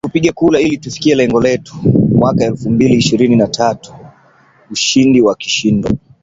kupiga kura ili tufikie lengo letu mwaka elfu mbili ishirini na tatu ushindi wa kishindo